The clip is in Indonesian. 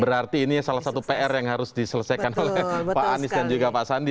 berarti ini salah satu pr yang harus diselesaikan oleh pak anies dan juga pak sandi